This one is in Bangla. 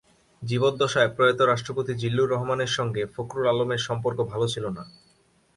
জীবদ্দশায় প্রয়াত রাষ্ট্রপতি জিল্লুর রহমানের সঙ্গে ফখরুল আলমের সম্পর্ক ভালো ছিল না।